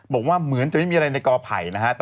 บอกว่าเหมือนจะไม่มีอะไรในกอไผ่นะฮะ